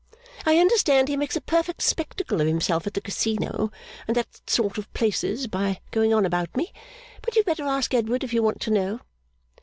I understand he makes a perfect spectacle of himself at the Casino, and that sort of places, by going on about me. But you had better ask Edward if you want to know.